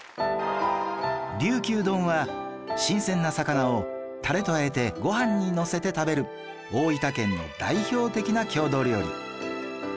りゅうきゅう丼は新鮮な魚をタレと和えてご飯にのせて食べる大分県の代表的な郷土料理